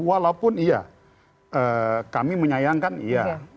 walaupun iya kami menyayangkan iya